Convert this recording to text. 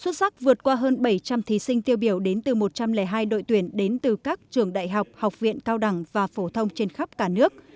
xuất sắc vượt qua hơn bảy trăm linh thí sinh tiêu biểu đến từ một trăm linh hai đội tuyển đến từ các trường đại học học viện cao đẳng và phổ thông trên khắp cả nước